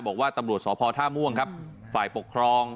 บอกว่าตำรวจสพท่าม่วงครับฝ่ายปกครอง